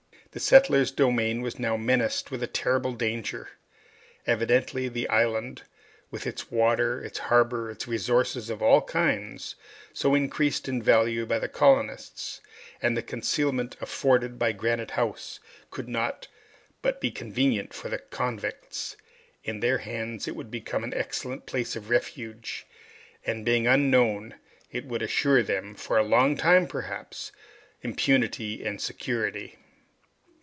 The settlers' domain was now menaced with terrible danger. Evidently the island, with its water, its harbor, its resources of all kinds so increased in value by the colonists, and the concealment afforded by Granite House, could not but be convenient for the convicts; in their hands it would become an excellent place of refuge, and, being unknown, it would assure them, for a long time perhaps, impunity and security.